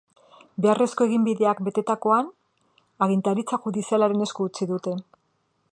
Beharrezko eginbideak betetakoan, agintaritza judizialaren esku utzi dute.